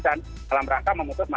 dan dalam rangka memutuskan